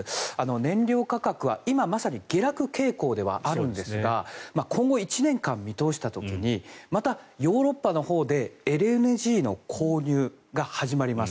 燃料価格は下落傾向ではあるんですが今後１年間見通した時にまたヨーロッパのほうでＬＮＧの購入が始まります。